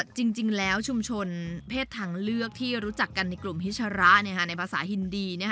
จริงแล้วชุมชนเพศทางเลือกที่รู้จักกันในกลุ่มฮิชระในภาษาฮินดี